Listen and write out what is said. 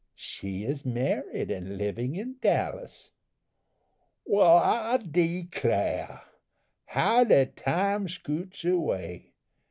"She is married and living in Dallas." "Wal, I declar. How de time scoots away!